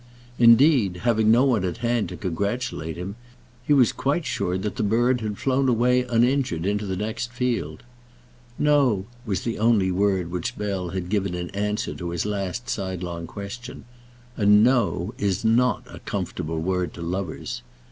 Indeed, having no one at hand to congratulate him, he was quite sure that the bird had flown away uninjured into the next field. "No" was the only word which Bell had given in answer to his last sidelong question, and No is not a comfortable word to lovers.